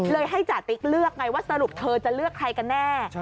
เลยให้จติ๊กเลือกไงว่าสรุปเธอจะเลือกใครกันแน่